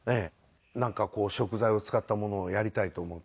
なんかこう食材を使ったものをやりたいと思って。